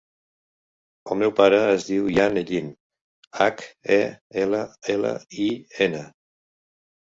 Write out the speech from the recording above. El meu pare es diu Ian Hellin: hac, e, ela, ela, i, ena.